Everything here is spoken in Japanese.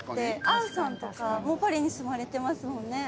杏さんとかもパリに住まれてますもんね。